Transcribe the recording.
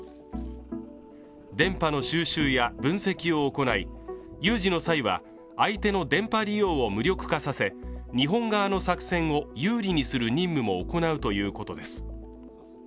電波の収集や分析を行い有事の際は相手の電波利用を無力化させ日本側の作戦を有利にする任務も行うということです